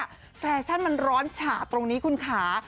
แฟชั่นมันร้อนฉาดตรงนี้คุณค่ะ